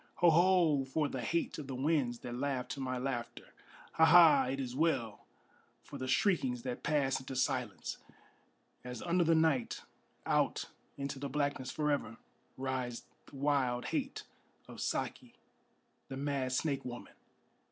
Ho! Ho! for the hate of the winds that laugh to my laughter! Ha! Ha! it is well for the shriekings that pass into silence, As under the night, out into the blackness forever, Rides the wild hate of Saki, the mad snake woman!